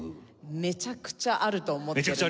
めちゃくちゃあると思ってるんです。